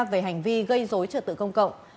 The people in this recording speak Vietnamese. về hành vi gây dối trợ tự công cộng